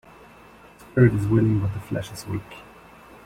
The spirit is willing but the flesh is weak.